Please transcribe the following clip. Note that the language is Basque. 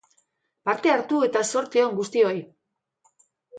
Parte hartu eta zorte on guztioi!